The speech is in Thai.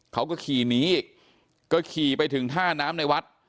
เขาก็ขี่หนีอีกก็ขี่ไปถึงท่าน้ำในวัด